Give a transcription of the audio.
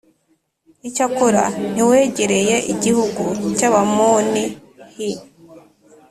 Icyakora ntiwegereye igihugu cy’Abamoni, h